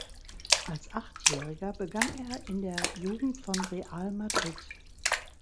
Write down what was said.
Als Achtjähriger begann er in der Jugend von Real Madrid.